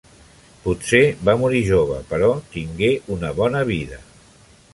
Potser va morir jove, però tingué una bona vida.